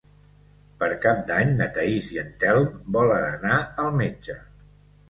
Per Cap d'Any na Thaís i en Telm volen anar al metge.